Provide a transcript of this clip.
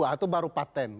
itu baru patent